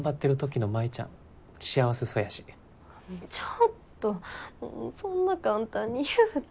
ちょっとそんな簡単に言うて。